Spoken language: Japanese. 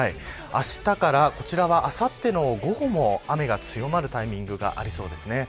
あしたからこちらはあさっての午後も雨が強まるタイミングがありそうですね。